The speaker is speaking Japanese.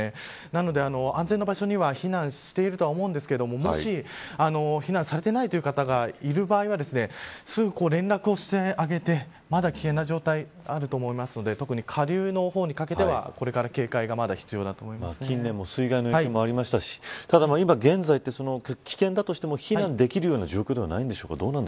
なので、安全な場所に避難しているとは思うんですがもし、避難されていないという方がいる場合はすぐ連絡をしてあげてまだ危険な状態であると思うので特に下流の方にかけてはこれから警戒がまだ必要だと近年も水害の影響もありましたしただ現在って、危険だとしても避難できる状況ではないのでしょうか。